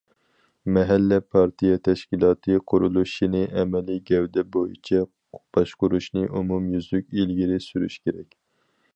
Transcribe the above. مەھەللە پارتىيە تەشكىلاتى قۇرۇلۇشىنى ئەمەلىي گەۋدە بويىچە باشقۇرۇشنى ئومۇميۈزلۈك ئىلگىرى سۈرۈش كېرەك.